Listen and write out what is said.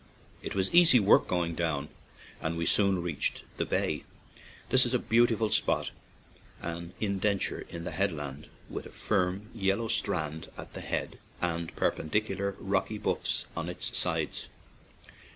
It was easy work going down, and we soon reached the bay. This is a beautiful spot, an indenture in the headland, with a firm, yellow strand at the head, and perpendicular, rocky bluffs on its sides.